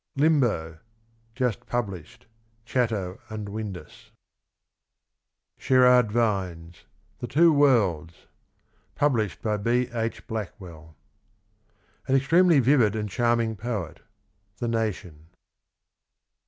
J LIMBO. Tust Published. Chatto and Windus. ^^ Sherard Vines. THE TWO WORLDS. Published by B. H. Blackwell. " An extremely vivid and charming poet." — The Nation.